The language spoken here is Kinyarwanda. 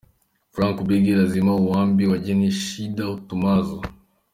Frank Ubegi: Lazima uambie wageni shida tunazo.